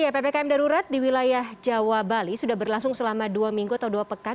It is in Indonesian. ppkm darurat di wilayah jawa bali sudah berlangsung selama dua minggu atau dua pekan